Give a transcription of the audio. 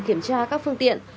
kiểm tra các phương tiện